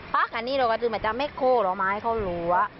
ปั๊กอันนี้เราก็ซื้อมาจะไม่โคร้อมาให้เขารั้ว